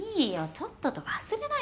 とっとと忘れなよ